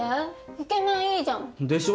イケメンいいじゃん。でしょ？